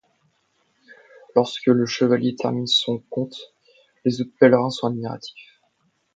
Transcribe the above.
Lorsque le Chevalier termine son conte, les autres pèlerins sont admiratifs.